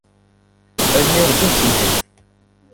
Allen-iw meččent si lḥif.